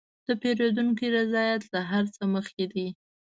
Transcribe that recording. د پیرودونکي رضایت له هر څه مخکې دی.